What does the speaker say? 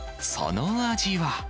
その味は。